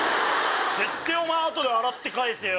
絶対お前洗って返せよ。